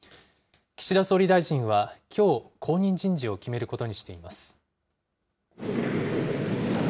岸田総理大臣はきょう、後任人事を決めることにしています。